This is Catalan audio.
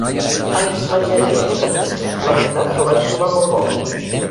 Ahir vaig llegir aquest article, la veritat que el vaig trobar molt bo.